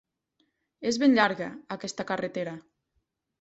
És ben llarga, aquesta carretera.